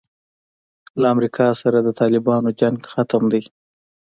له امریکا سره د طالبانو جنګ ختم دی.